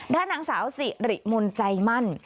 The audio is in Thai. ด้านนางสาวสิริมนต์ใจมั่น